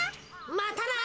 またな。